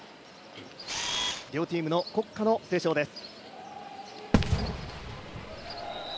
両チームの国歌の斉唱です。